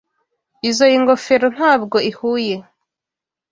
Izoi ngofero ntabwo ihuye.